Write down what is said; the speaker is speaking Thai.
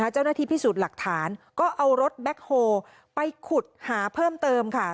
เจ้าหน้าที่พิสูจน์หลักฐานก็เอารถแบ็คโฮลไปขุดหาเพิ่มเติมค่ะ